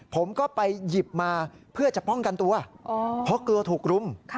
ผมก็ไปหยิบมาเพื่อจะป้องกันตัวเพราะกลัวถูกรุม